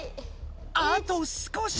あと少し！